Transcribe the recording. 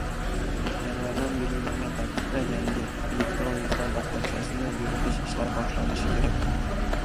Yanvardan belgilangan tartibda yangi, elektron mehnat daftarchasini yuritish ishlari boshlanishi kerak edi.